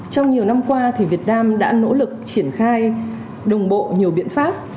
trong nhiều năm qua việt nam đã nỗ lực triển khai đồng bộ nhiều biện pháp